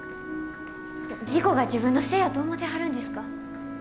事故が自分のせいやと思てはるんですか？